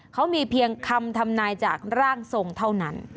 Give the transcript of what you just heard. เขามีเพียงคำทำนายจากร่างทรงเท่านั้น